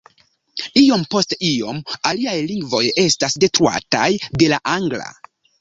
Iom post iom aliaj lingvoj estas detruataj de la angla.